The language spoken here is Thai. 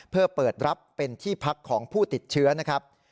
เพื่อเปิดรับเป็นที่พักของผู้ติดเชื้อนะครับ